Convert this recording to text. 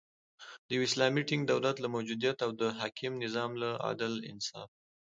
د یو اسلامی ټینګ دولت له موجودیت او د حاکم نظام له عدل، انصاف